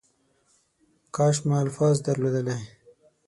کاش ما الفاظ درلودلی .